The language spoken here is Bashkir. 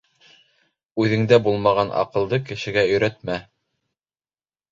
Үҙендә булмаған аҡылды кешегә өйрәтмә.